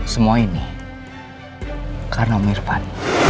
semua ini karena om irfan